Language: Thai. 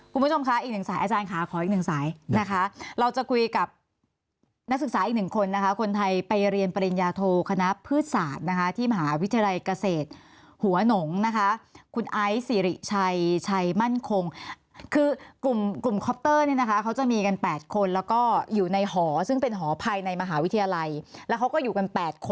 คุณผู้ชมคะอีกหนึ่งสายอาจารย์ค่ะขออีกหนึ่งสายนะคะเราจะคุยกับนักศึกษาอีกหนึ่งคนนะคะคนไทยไปเรียนปริญญาโทคณะพืชศาสตร์นะคะที่มหาวิทยาลัยเกษตรหัวหนงนะคะคุณไอซ์สิริชัยชัยมั่นคงคือกลุ่มกลุ่มคอปเตอร์เนี่ยนะคะเขาจะมีกัน๘คนแล้วก็อยู่ในหอซึ่งเป็นหอภัยในมหาวิทยาลัยแล้วเขาก็อยู่กัน๘คน